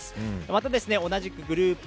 また同じくグループＥ